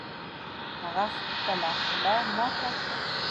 هغه خپله خوله ماته کړه